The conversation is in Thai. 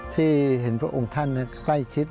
ที่เห็นพระองค์ท่านใกล้ชิด